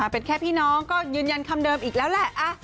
เป็นแค่พี่น้องก็ยืนยันคำเดิมอีกแล้วแหละ